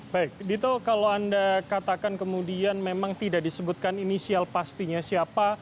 baik dito kalau anda katakan kemudian memang tidak disebutkan inisial pastinya siapa